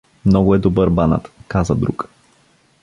Много е добър банът — каза друг.